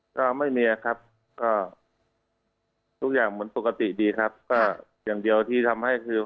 ก็ไม่มีครับก็ทุกอย่างเหมือนปกติดีครับก็อย่างเดียวที่ทำให้คือ